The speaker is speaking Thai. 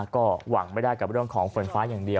ก็หวังไม่ได้กับเรื่องของฝนฟ้าอย่างเดียว